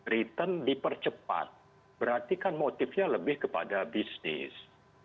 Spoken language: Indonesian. return dipercepat berarti kan motifnya lebih kepada bisnis